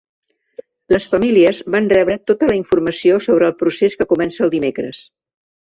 Les famílies van rebre tota la informació sobre el procés que comença el dimecres.